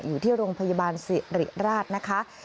อยู่ที่โรงพยาบาลสิริราชนะคะ